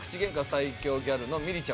最強ギャルのみりちゃむ。